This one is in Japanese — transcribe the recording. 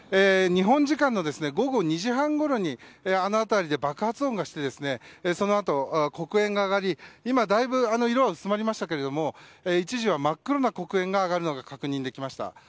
日本時間の午後２時半ごろにあの辺りで爆発音がしてそのあと、黒煙が上がり今、大分色は薄まりましたが一時は真っ黒な黒煙が上がるのが確認できました。